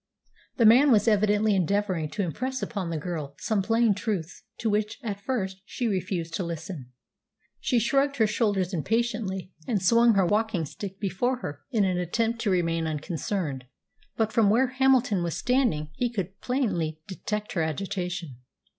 The man was evidently endeavouring to impress upon the girl some plain truths to which, at first, she refused to listen. She shrugged her shoulders impatiently and swung her walking stick before her in an attempt to remain unconcerned. But from where Hamilton was standing he could plainly detect her agitation.